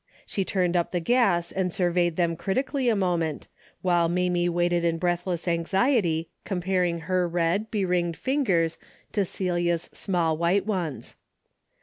She turned up the gas and surveyed them crit ically a moment, while Mamie waited in breathless anxiety comparing her red, beringed fingers to Celia's small white ones.